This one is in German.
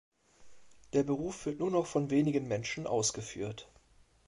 Der Beruf wird nur noch von wenigen Menschen ausgeführt.